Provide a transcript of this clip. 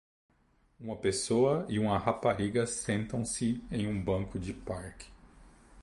Uma pessoa e uma rapariga sentam-se em um banco de parque.